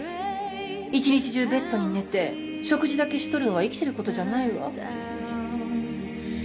「一日中ベッドに寝て食事だけしとるのは生きてる事じゃないわ」